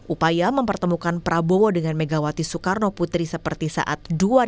upaya mempertemukan prabowo dengan megawati soekarno putri seperti saat dua ribu dua puluh